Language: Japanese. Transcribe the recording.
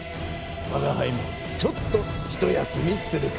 わがはいもちょっとひと休みするか。